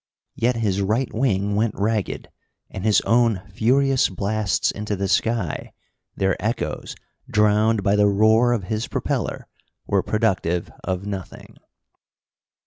Yet his right wing went ragged, and his own furious blasts into the sky, their echoes drowned by the roar of his propeller, were productive of nothing.